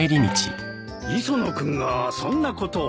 磯野君がそんなことを。